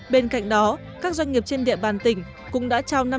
bên cạnh đó các doanh nghiệp trên địa bàn tỉnh cũng đã trao năm trăm linh vé xe cho công nhân